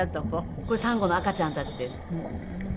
これサンゴの赤ちゃんたちです。